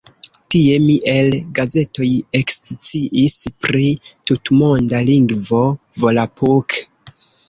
Tie mi el gazetoj eksciis pri tutmonda lingvo "Volapuk".